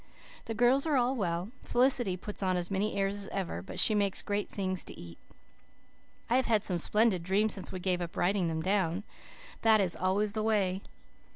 The girls are all well. Felicity puts on as many airs as ever, but she makes great things to eat. I have had some splendid dreams since we gave up writing them down. That is always the way.